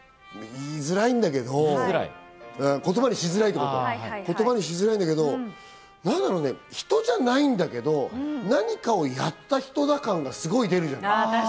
言いづらいんだけど、言葉にしづらいんだけど、人じゃないんだけど何かをやった人感がすごい出るじゃない。